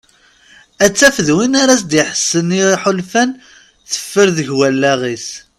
Ad taf d win ara as-d-iḥessen i yiḥulfan i teffer deg wallaɣ-is.